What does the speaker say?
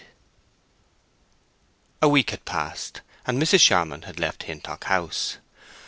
A week had passed, and Mrs. Charmond had left Hintock House.